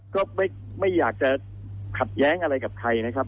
ก็ไม่อยากจะขัดแย้งอะไรกับใครนะครับ